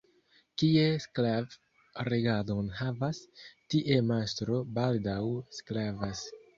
Kie sklav' regadon havas, tie mastro baldaŭ sklavas.